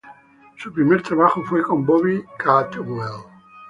Su primer trabajo fue con Bobby Caldwell.